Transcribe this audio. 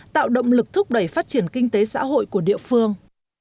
tạo động lực thúc đẩy phát triển kinh tế xã hội của địa phương